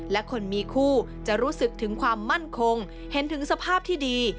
และคนมีคู่จะรู้สึกถึงความมั่นคงเห็นถึงสภาพที่ดี